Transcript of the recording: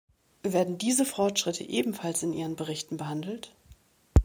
Werden diese Fortschritte ebenfalls in Ihren Berichten behandelt?